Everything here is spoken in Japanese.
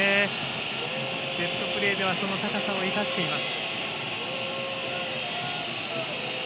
セットプレーではその高さを生かしています。